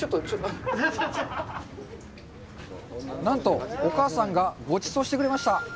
なんと、お母さんがごちそうしてくれました！